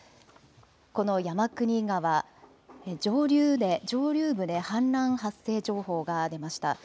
この山国川、上流部で氾濫発生情報が出ました。